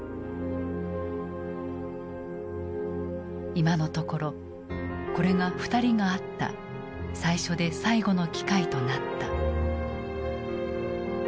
今のところこれが２人が会った最初で最後の機会となった。